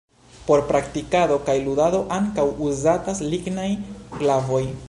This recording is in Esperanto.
Por praktikado kaj ludado ankaŭ uzatas lignaj glavoj.